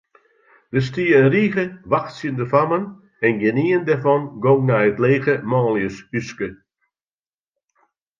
Der stie in rige wachtsjende fammen en gjinien dêrfan gong nei it lege manljushúske.